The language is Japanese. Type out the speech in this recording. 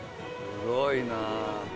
すごいな！